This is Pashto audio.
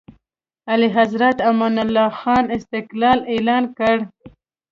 اعلیحضرت امان الله خان استقلال اعلان کړ.